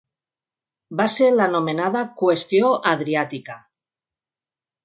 Va ser l'anomenada Qüestió Adriàtica.